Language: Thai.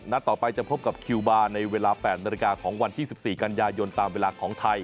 นัดต่อไปจะพบกับคิวบาในเวลา๘นรกาของวันที่๑๔กันยายน